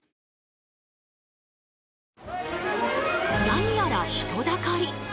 何やら人だかり！